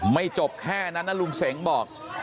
จบแค่นั้นนะลุงเสงบอก